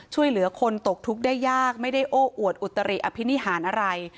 ช่วยเหลือคนตกทุกข์ได้ยากไม่ได้โอ้อวดอุตริอภินิหารอะไร